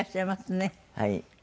はい。